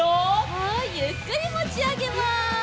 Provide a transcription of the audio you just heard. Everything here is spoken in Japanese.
はいゆっくりもちあげます。